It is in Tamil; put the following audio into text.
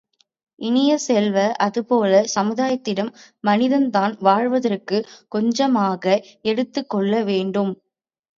இனிய செல்வ, அதுபோலச் சமுதாயத்திடம் மனிதன் தான் வாழ்வதற்குக் கொஞ்சமாக எடுத்துக் கொள்ள வேண்டும்.